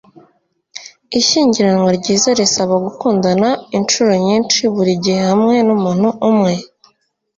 Ishyingiranwa ryiza risaba gukundana inshuro nyinshi, buri gihe hamwe numuntu umwe.”